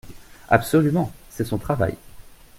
Absolument : c’est son travail.